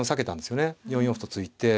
４四歩と突いて。